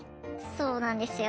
そうなんですよ。